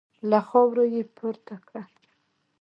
له خاورو يې پورته کړه.